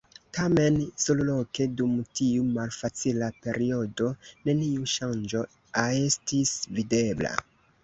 Tamen, surloke, dum tiu malfacila periodo, neniu ŝanĝo estis videbla.